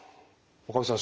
岡部さん